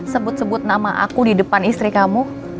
sebut sebut nama aku di depan istri kamu